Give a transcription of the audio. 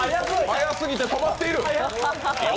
速すぎて止まっている！